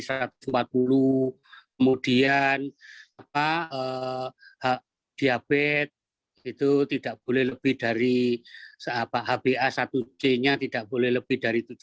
kemudian diabetes itu tidak boleh lebih dari hba satu c nya tidak boleh lebih dari tujuh puluh